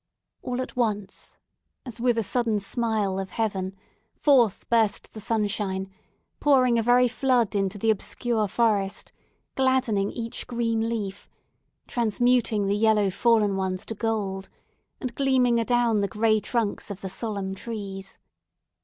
All at once, as with a sudden smile of heaven, forth burst the sunshine, pouring a very flood into the obscure forest, gladdening each green leaf, transmuting the yellow fallen ones to gold, and gleaming adown the gray trunks of the solemn trees.